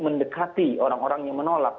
mendekati orang orang yang menolak